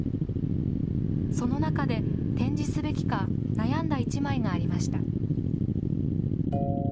その中で、展示すべきか悩んだ一枚がありました。